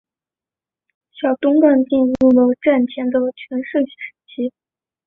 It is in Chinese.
小樽港进入了战前的全盛时期。